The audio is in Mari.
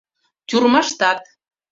Тюрьмаштат